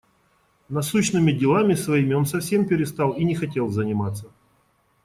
Насущными делами своими он совсем перестал и не хотел заниматься.